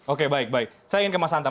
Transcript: oke baik baik saya ingin ke mas anta